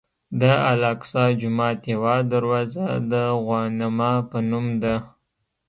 د الاقصی جومات یوه دروازه د غوانمه په نوم ده.